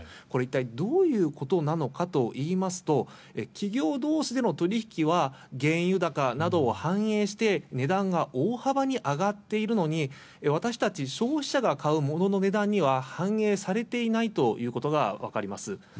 これ、一体どういうことなのかといいますと企業同士での取引は原油高などを反映して値段が大幅に上がっているのに私たち消費者が買う物の値段には反映されていないということが分かります。